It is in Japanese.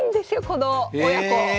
この親子。